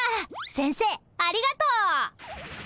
先生ありがとう。